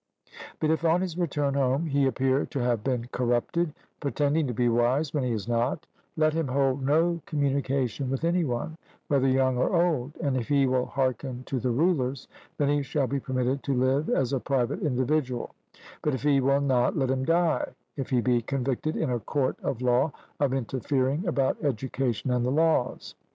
But if on his return home he appear to have been corrupted, pretending to be wise when he is not, let him hold no communication with any one, whether young or old; and if he will hearken to the rulers, then he shall be permitted to live as a private individual; but if he will not, let him die, if he be convicted in a court of law of interfering about education and the laws.